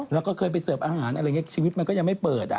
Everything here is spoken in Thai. แล้วก็เคยไปเสิร์ฟอาหารอะไรอย่างนี้ชีวิตมันก็ยังไม่เปิด